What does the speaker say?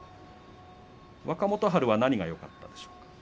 若元春は何がよかったでしょうか。